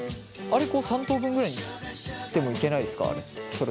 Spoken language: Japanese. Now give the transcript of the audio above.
あれ３等分ぐらいに切ってもいけないですかあれ。